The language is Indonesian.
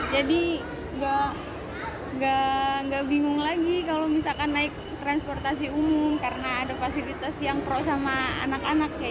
jadi nggak bingung lagi kalau misalkan naik transportasi umum karena ada fasilitas yang pro sama anak anak